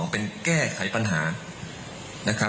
เป็นแก้ไขปัญหา